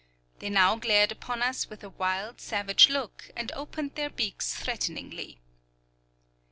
They now glared upon us with a wild, savage look, and opened their beaks threateningly.